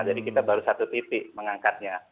jadi kita baru satu titik mengangkatnya